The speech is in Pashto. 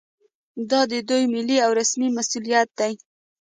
دا د دوی ملي او رسمي مسوولیت دی